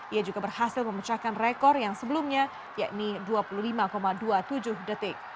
ia juga berhasil memecahkan rekor yang sebelumnya yakni dua puluh lima dua puluh tujuh detik